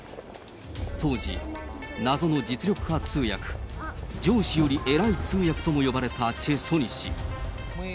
当時、謎の実力派通訳、上司より偉い通訳とも呼ばれたチェ・ソニ氏。